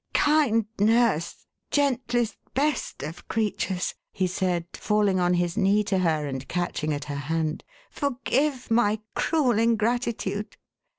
"Kind nurse, gentlest, best of creatures,11 he said, falling on his knee to her, and catching at her hand, "forgive my cruel ingratitude